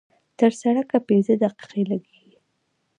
تر سړکه پينځه دقيقې لګېږي.